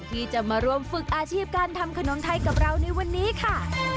ที่จะมาร่วมฝึกอาชีพการทำขนมไทยกับเราในวันนี้ค่ะ